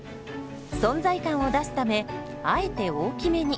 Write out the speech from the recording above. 存在感を出すためあえて大きめに。